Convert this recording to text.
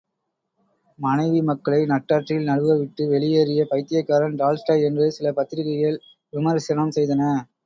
மனைவி மக்களை நட்டாற்றில் நழுவ விட்டு வெளியேறிய பைத்தியக்காரன் டால்ஸ்டாய் என்று சில பத்திரிகைகள் விமரிசனம் செய்தன.